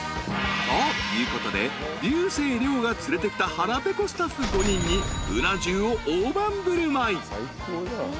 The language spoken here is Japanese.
［ということで竜星涼が連れてきた腹ぺこスタッフ５人にうな重を大盤振る舞い］